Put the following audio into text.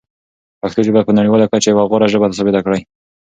پښتو ژبه په نړیواله کچه یوه غوره ژبه ثابته کړئ.